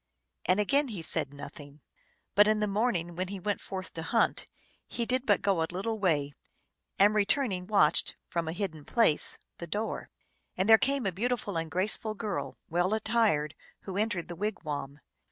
And again ho said nothing ; but in the morning, when he went forth to hunt, he did but go a little way, and, return ing, watched, from a hidden place, the door. And there came a beautiful and graceful girl, well attired, v/ho entered the wigwam.